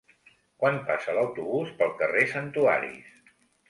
Quan passa l'autobús pel carrer Santuaris?